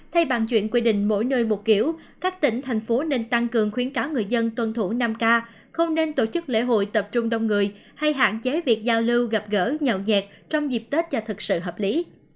thay bàn chuyện quy định mỗi nơi một kiểu các tỉnh thành phố nên tăng cường khuyến cáo người dân tuân thủ năm k không nên tổ chức lễ hội tập trung đông người hay hạn chế việc giao lưu gặp gỡ nhậu nhẹt trong dịp tết cho thực sự hợp lý